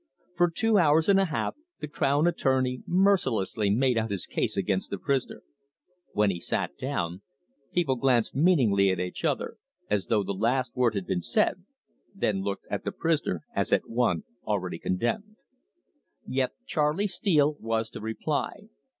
For two hours and a half the crown attorney mercilessly made out his case against the prisoner. When he sat down, people glanced meaningly at each other, as though the last word had been said, then looked at the prisoner, as at one already condemned. Yet Charley Steele was to reply.